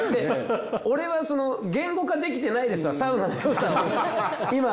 俺は言語化できてないですわサウナのよさを今。